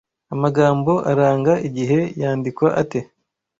Amagambo aranga igihe yandikwa ate